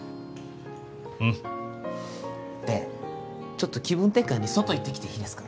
うんでちょっと気分転換に外行ってきていいですか？